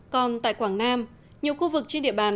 còn tại quảng nam nhiều khu vực trên địa bàn